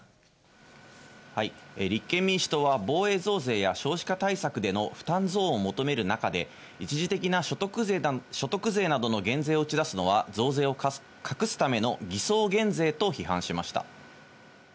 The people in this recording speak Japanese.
立憲民主党は、防衛増税や少子化対策での負担増を求める中で、一時的な所得税などの減税を打ち出すのは、増税を隠すための偽装減税と批判しました。